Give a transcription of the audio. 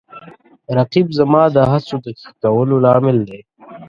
رقیب زما د هڅو د ښه کولو لامل دی